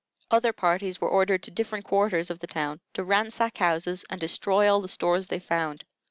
Other parties were ordered to different quarters of the town to ransack houses and destroy all the stores they found.